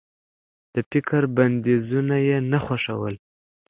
د فکر بنديزونه يې نه خوښول.